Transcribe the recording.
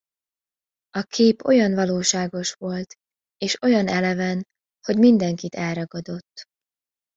A kép olyan valóságos volt és olyan eleven, hogy mindenkit elragadott.